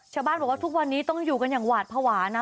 ชาวบ้านบอกว่าทุกวันนี้ต้องอยู่กันอย่างหวาดภาวะนะ